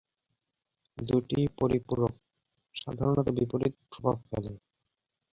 দুটিই পরিপূরক, সাধারণত বিপরীত প্রভাব ফেলে।